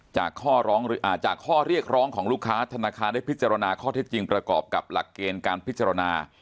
จากข้อเรียกร้องของลูกค้าธนาคารได้พิจารณาข้อเท็จจริงประกอบกับหลักเกณฑ์การพิจารณา